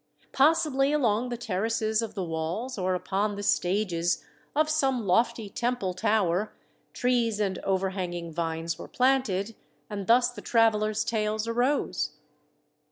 Possibly along the terraces of the walls, or upon the stages of some lofty temple tower, trees and overhanging vines were planted, and thus the travellers' tales arose.